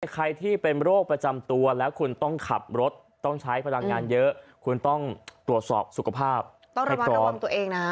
ใครที่เป็นโรคประจำตัวแล้วคุณต้องขับรถต้องใช้พลังงานเยอะคุณต้องตรวจสอบสุขภาพให้พร้อมตัวเองนะฮะ